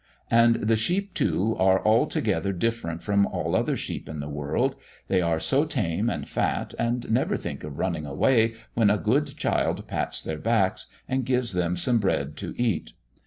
And the sheep, too, are altogether different from all other sheep in the world; they are so tame and fat, and never think of running away when a good child pats their backs, and gives them some bread to eat.